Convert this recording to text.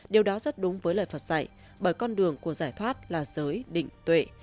điều đó rất đúng với lời phật dạy bởi con đường của giải thoát là giới định tuệ